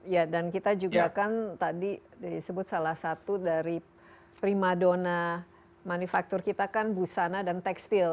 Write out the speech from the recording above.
ya dan kita juga kan tadi disebut salah satu dari primadona manufaktur kita kan busana dan tekstil